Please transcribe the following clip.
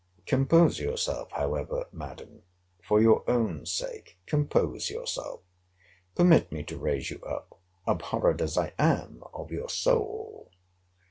Compose yourself, however, Madam; for your own sake, compose yourself. Permit me to raise you up; abhorred as I am of your soul!